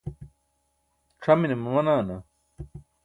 c̣ʰamine mamanaana?